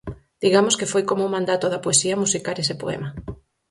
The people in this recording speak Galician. Digamos que foi como un mandato da poesía musicar ese poema.